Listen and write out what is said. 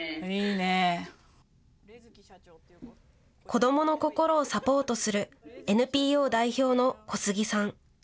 子どもの心をサポートするＮＰＯ代表の小杉さん。